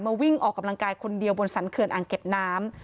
วิ่งออกกำลังกายคนเดียวบนสรรเขื่อนอ่างเก็บน้ำ